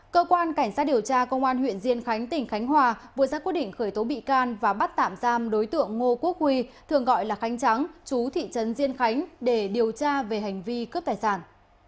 cơ quan cảnh sát điều tra công an huyện diên khánh tỉnh khánh hòa vừa ra quyết định khởi tố bị can và bắt tạm giam đối tượng ngô quốc huy thường gọi là khánh trắng chú thị trấn diên khánh để điều tra về hành vi cướp tài sản